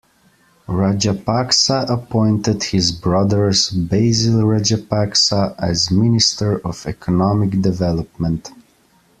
Rajapaksa appointed his brothers Basil Rajapaksa as minister of Economic Development.